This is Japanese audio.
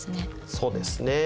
そうですね。